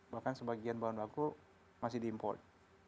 bahkan sebagian bahan baku masih diimport